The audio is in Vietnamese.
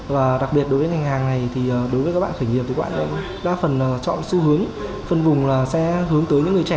và đặc biệt đối với ngành hàng này thì đối với các bạn khởi nghiệp thì các bạn đa phần chọn xu hướng phân vùng là sẽ hướng tới những người trẻ